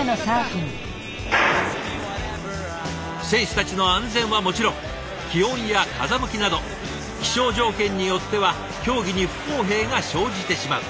選手たちの安全はもちろん気温や風向きなど気象条件によっては競技に不公平が生じてしまう。